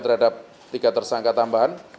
terhadap tiga tersangka tambahan